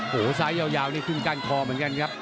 โอ้โหซ้ายยาวนี่ขึ้นก้านคอเหมือนกันครับ